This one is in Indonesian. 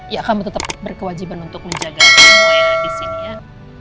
ya kami tetap berkewajiban untuk menjaga semua ya di sini ya